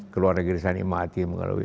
keluarga saya nikmati